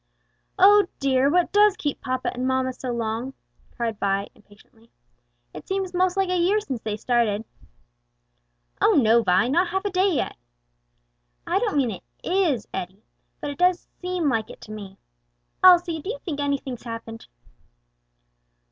"Oh, dear, what does keep papa and mamma so long!" cried Vi, impatiently; "it seems most like a year since they started." "Oh, no, Vi, not half a day yet!" "I don't mean it is, Eddie, but it does seem like it to me. Elsie, do you think anything's happened?"